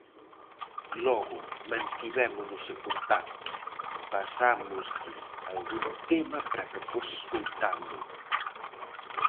Logo, mantivémonos en contacto, pasámoslle algún tema para que fose escoitando.